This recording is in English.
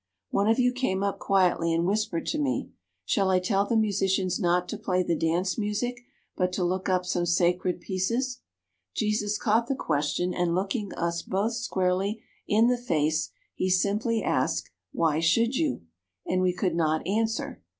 "One of you came up quietly and whispered to me, 'Shall I tell the musicians not to play the dance music, but to look up some sacred pieces?' Jesus caught the question, and, looking us both squarely in the face, he simply asked, 'Why should you?' and we could not answer.